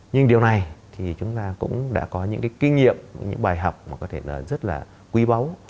nhưng điều này thì chúng ta cũng đã có những cái kinh nghiệm những bài học mà có thể là rất là quý báu